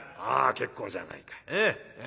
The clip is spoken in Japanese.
あ結構じゃないか。え？